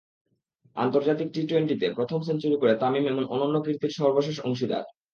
আন্তর্জাতিক টি-টোয়েন্টিতে প্রথম সেঞ্চুরি করে তামিম এমন অনন্য কীর্তির সর্বশেষ অংশীদার।